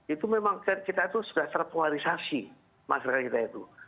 itu memang kita itu sudah terpolarisasi masyarakat kita itu